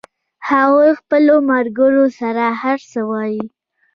هغوی خپلو ملګرو سره هر څه وایي